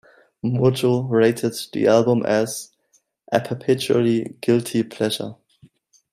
"Mojo" rated the album as "a perpetually guilty pleasure.